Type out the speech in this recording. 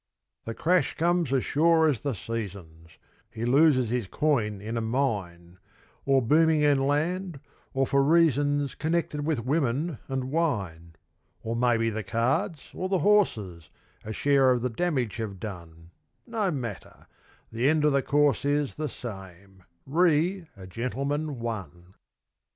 The crash comes as sure as the seasons; He loses his coin in a mine, Or booming in land, or for reasons Connected with women and wine. Or maybe the cards or the horses A share of the damage have done No matter; the end of the course is The same: "Re a Gentleman, One".